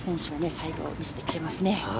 最後、見せてくれますね。